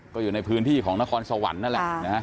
ก็อยู่ในพื้นที่ของนครสวรรค์นั่นแหละนะฮะ